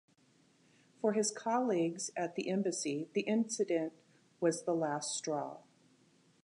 For his colleagues at the embassy, the incident was the last straw.